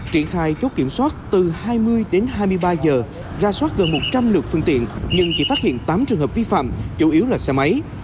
triển khai chốt kiểm soát từ hai mươi đến hai mươi ba giờ ra soát gần một trăm linh lượt phương tiện nhưng chỉ phát hiện tám trường hợp vi phạm chủ yếu là xe máy